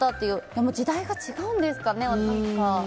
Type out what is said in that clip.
でも時代が違うんですかね。